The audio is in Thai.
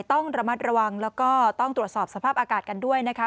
ต้องระมัดระวังแล้วก็ต้องตรวจสอบสภาพอากาศกันด้วยนะคะ